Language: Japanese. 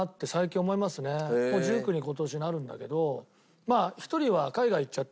もう１９に今年なるんだけど。